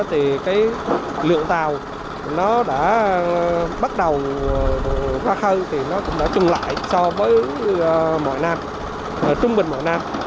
thì cái lượng tàu nó đã bắt đầu ra khơi thì nó cũng đã chung lại so với mỗi năm trung bình mỗi năm